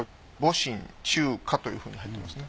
「戊辰仲夏」というふうに入ってますね。